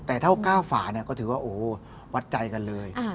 แต่ถ้ากล้าฝ่าก็ถือว่าวัดใจกันเลย